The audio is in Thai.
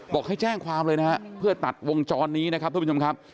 บอกให้แจ้งความเลยนะฮะเพื่อตัดวงจรนี้นะครับทุกผู้ชมครับ